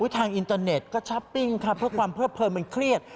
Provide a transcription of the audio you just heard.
ทางอินเตอร์เน็ตก็ช้าปปิ้งค่ะเพื่อความเพิ่มมันเครียด